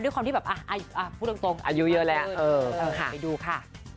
ด้วยความมีอายุเยอะแล้วมาดูค่ะ